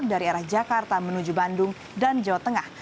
dari arah jakarta menuju bandung dan jawa tengah